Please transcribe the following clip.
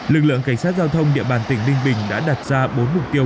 lực lượng cảnh sát giao thông địa bàn tỉnh ninh bình đã đặt ra bốn mục tiêu